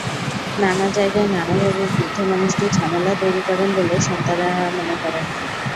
নানা জায়গায় নানাভাবে বৃদ্ধ মানুষটি ঝামেলা তৈরি করেন বলে সন্তানেরা মনে করেন।